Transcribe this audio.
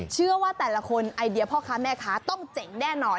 เชื่อว่าแต่ละคนไอเดียพ่อค้าแม่ค้าต้องเจ๋งแน่นอน